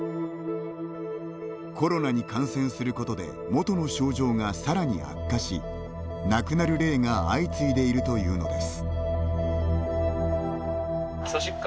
コロナに感染することで元の症状がさらに悪化し亡くなる例が相次いでいるというのです。